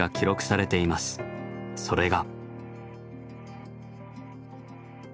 それが。